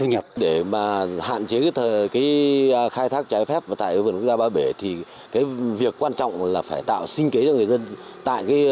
hạn chế khai thác trái phép tại vườn quốc gia ba bể thì việc quan trọng là phải tạo sinh kế cho người dân